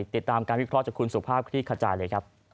ติดตามการวิเคราะห์จากคุณสุภาพคลี่ขจายเลยครับ